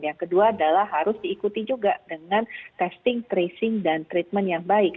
yang kedua adalah harus diikuti juga dengan testing tracing dan treatment yang baik